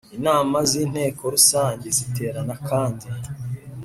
Inama z Inteko Rusange ziterana kandi